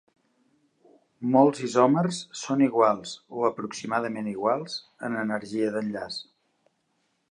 Molts isòmers són iguals o aproximadament iguals en energia d'enllaç.